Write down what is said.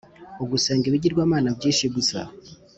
Ugusenga ibigirwamana byinshi gusa